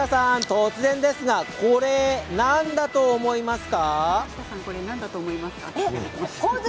突然ですがこれ何だと思いますか？